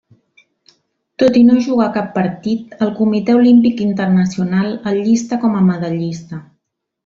Tot i no jugar cap partit el Comitè Olímpic Internacional el llista com a medallista.